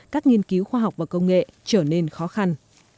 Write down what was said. các nghiên cứu khoa học và công nghệ trở nên khó khăn